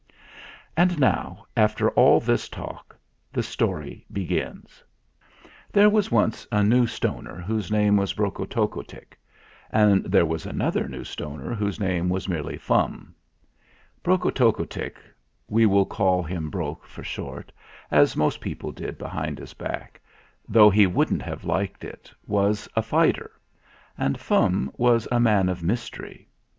AND Now, after all this talk, the story begins. There was once a New Stoner whose name was Brokotockotick, and there was another New Stoner whose name was merely Fum. Brokotockotick we will call him Brok for short, as most people did behind his back, though he wouldn't have liked it was a fighter; and Fum was a man of mystery.